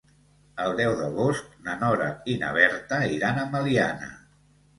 El deu d'agost na Nora i na Berta iran a Meliana.